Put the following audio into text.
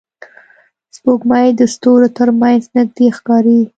سپوږمۍ د ستورو تر منځ نږدې ښکاري